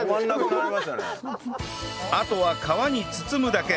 あとは皮に包むだけ